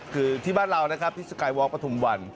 คือที่บ้านเรานะครับที่สกายวอล์ประทุมวัน